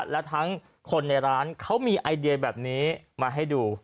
และทั้งคนในร้านเขามีไอเดียแบบนี้มาให้ดู